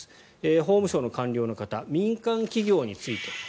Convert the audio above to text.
法務省の官僚の方民間企業について。